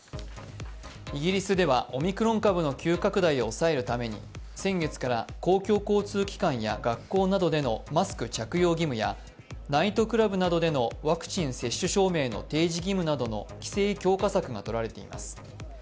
イギリスではオミクロン株の急拡大を抑えるために先月から公共交通機関や学校などでのマスク着用義務やナイトクラブなどでのワクチン接種証明などの規制強化策がとられています。